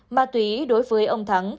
mà tùy ý đối với ông thắng